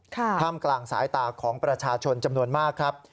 ท่ามกลางสายตาของประชาชนจำนวนมากครับ